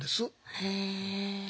へえ。